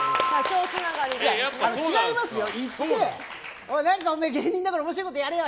違いますよ、行ってお前芸人だから面白いことやれよ！